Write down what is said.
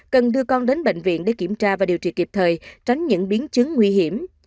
cần đưa con đến bệnh viện để kiểm tra và điều trị kịp thời tránh những biến chứng nguy hiểm